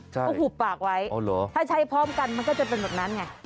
ก็หุบปากไว้ถ้าใช้พร้อมกันมันก็จะเป็นแบบนั้นไง